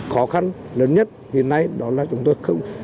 khó khăn lớn nhất hiện nay đó là chúng tôi không